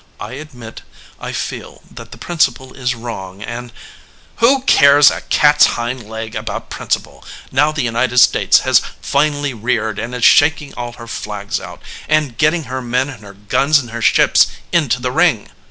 "I admit I feel that the principle is wrong and "Who cares a cat s hind leg about principle, now the United States has finally reared and is shaking all her flags out, and getting her men and her guns and her ships into the ring?"